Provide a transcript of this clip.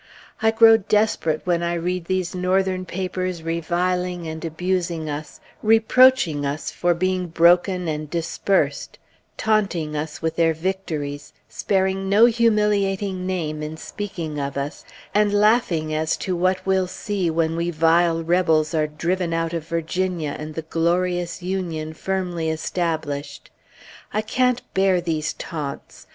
I grow desperate when I read these Northern papers reviling and abusing us, reproaching us for being broken and dispersed, taunting us with their victories, sparing no humiliating name in speaking of us, and laughing as to what "we'll see" when we vile rebels are "driven out of Virginia, and the glorious Union firmly established." I can't bear these taunts!